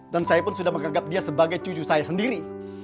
dan saya pun sudah menganggap dia sebagai cucu saya sendiri